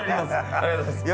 ありがとうございます。